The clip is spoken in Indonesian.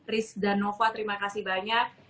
riz dan nova terima kasih banyak